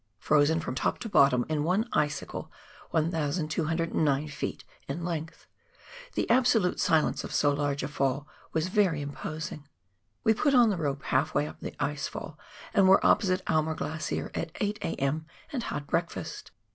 frozen from top to bottom in one icicle, 1,209 ft. in length — the absolute silence of so large a fall was very imposing. "We put on the rope half way up the ice fall and were opposite Aimer Glacier at 8 a.m., and had breakfast.